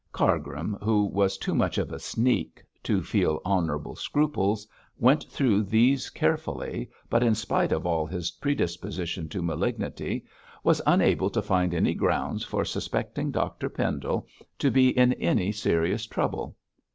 Cargrim, who was too much of a sneak to feel honourable scruples, went through these carefully, but in spite of all his predisposition to malignity was unable to find any grounds for suspecting Dr Pendle to be in any serious trouble.